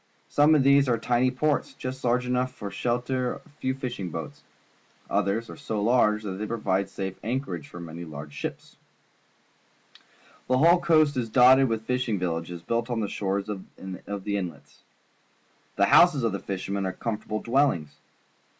Some of these are tiny ports, just large enough to shelter a few fishing boats; others are so large that they provide safe anchorage for many large ships. MEN WHO LH^ BY HUNTING AND FISHING 15 The whole coast is dotted with fishing villages built on the shores of the inlets. The houses of the fishermen are comfort able dwellings.